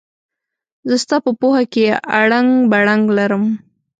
زه ستا په پوهه کې اړنګ بړنګ لرم.